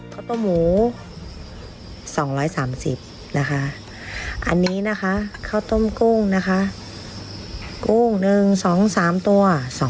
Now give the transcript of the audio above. ข้าวต้มหมู๒๓๐นะคะอันนี้นะคะข้าวต้มกุ้งนะคะกุ้ง๑๒๓ตัว